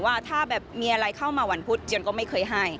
ว่าถ้าแบบมีอะไรเข้ามาวันพุธเจียนก็ไม่เคยให้